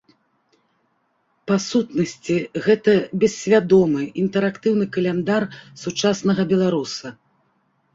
Па сутнасці гэта бессвядомы, інтэрактыўны каляндар сучаснага беларуса.